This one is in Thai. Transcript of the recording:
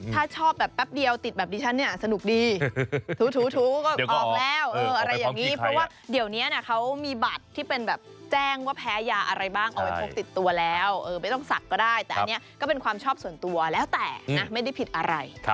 ก็สักก็ได้แต่อันนี้ก็เป็นความชอบส่วนตัวแล้วแต่นะไม่ได้ผิดอะไร